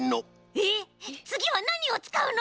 えっつぎはなにをつかうの？